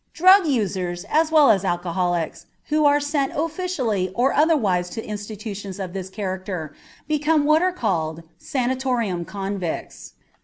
Drug users, as well as alcoholics, who are sent officially or otherwise to institutions of this character become what are called "sanatorium convicts."